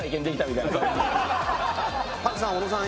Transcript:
朴さん小野さん